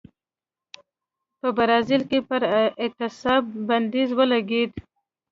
په برازیل کې پر اعتصاب بندیز ولګېد.